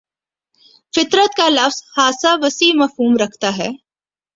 فطرت کا لفظ خاصہ وسیع مفہوم رکھتا ہے